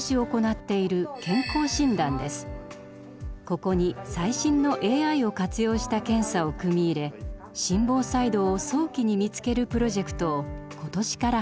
ここに最新のＡＩを活用した検査を組み入れ心房細動を早期に見つけるプロジェクトを今年から始めました。